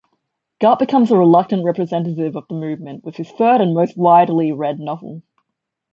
Garp becomes a reluctant representative of the movement with his third-and most widely read-novel.